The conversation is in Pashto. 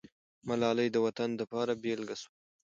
ملالۍ د وطن دپاره بېلګه سوه.